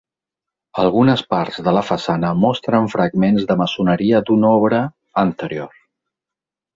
Algunes parts de la façana mostren fragments de maçoneria d'una obra anterior.